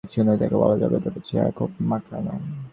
ঠিক সুন্দরী তাকে বলা যাবে না, তবে চেহারা খুব মায়াকাড়া।